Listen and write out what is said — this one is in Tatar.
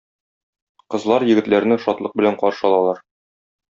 Кызлар егетләрне шатлык белән каршы алалар.